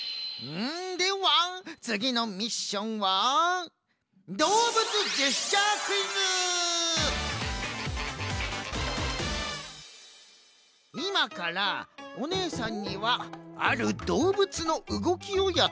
ではつぎのミッションはいまからおねえさんにはあるどうぶつのうごきをやってもらいます。